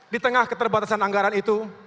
di tengah keterbatasan anggaran itu